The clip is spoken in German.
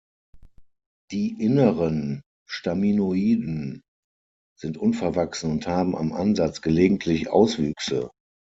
Die inneren Staminodien sind unverwachsen und haben am Ansatz gelegentlich Auswüchse.